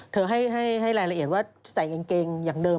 ให้รายละเอียดว่าใส่กางเกงอย่างเดิม